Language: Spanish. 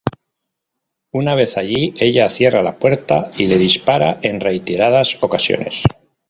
Una vez allí, ella cierra la puerta y le dispara en reiteradas ocasiones.